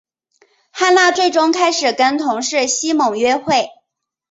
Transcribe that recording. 汉娜最终开始跟同事西蒙约会。